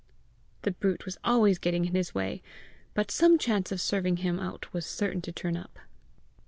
The brute was always getting in his way! But some chance of serving him out was certain to turn, up!